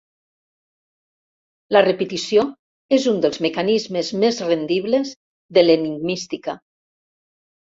La repetició és un dels mecanismes més rendibles de l'enigmística.